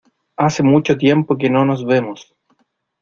Hace mucho tiempo que no nos vemos.